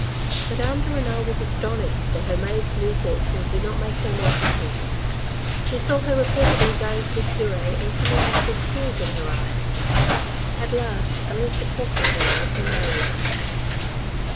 Madame de Renal was astonished that her maid's new fortune did not make her more happy. She saw her repeatedly going to the cure and coming back with tears in her eyes. At last Elisa talked to her of her marriage.